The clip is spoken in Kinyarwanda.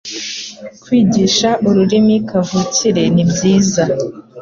kwigisha ururimi kavukire nibyiza